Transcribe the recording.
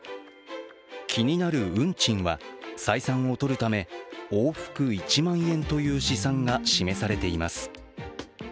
気になる運賃は、採算を取るため往復１万円という試算が示されています。